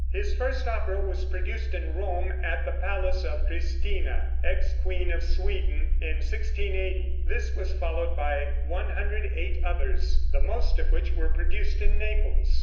His first opera was produced in Rome at the palace of Christina, ex queen of Sweden, in 1680. This was followed by 108 others, the most of which were produced in Naples.